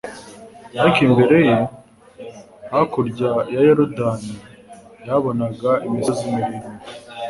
ariko imbere ye, hakuryaya Yorodani yahabonaga imisozi miremire,